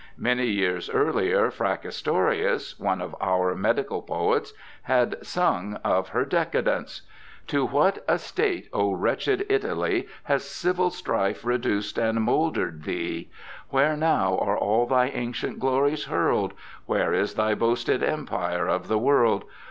Many years earlier Fracastorius, one of our medical poets, had sung of her decadence : To what estate, O wretched Italy, Has civil strife reduc'd and moulder'd Thee ! Where now are all thy ancient glories hurl'd ? Where is thy boasted Empire of the world